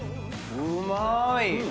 うまーい！